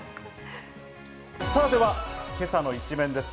では、今朝の一面です。